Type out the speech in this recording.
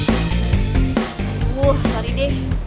aduh sorry deh